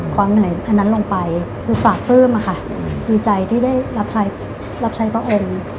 อันนั้นลงไปคือฝากปลื้มค่ะดีใจที่ได้รับใช้พระองค์